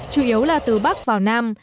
chủ yếu là từ bắc vào nam